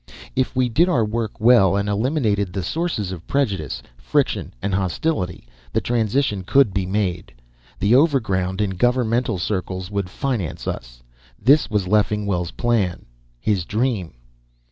If we did our work well and eliminated the sources of prejudice, friction and hostility, the transition could be made. The Overground in governmental circles would finance us. This was Leffingwell's plan, his dream."